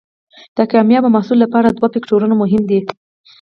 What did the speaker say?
د کامیاب محصل لپاره دوه فکتورونه مهم دي.